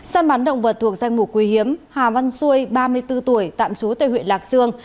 săn bắn động vật thuộc danh mục quý hiếm hà văn xuôi ba mươi bốn tuổi tạm trú tại huyện lạc dương